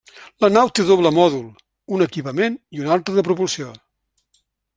La nau té doble mòdul, un equipament i un altre de propulsió.